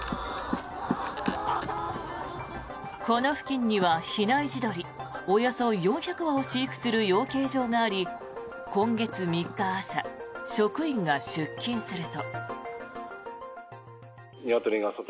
この付近には比内地鶏およそ４００羽を飼育する養鶏場があり、今月３日朝職員が出勤すると。